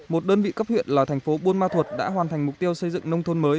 một đơn vị cấp huyện là thành phố buôn ma thuật đã hoàn thành mục tiêu xây dựng nông thôn mới